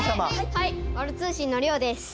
はいワル通信のりょうです。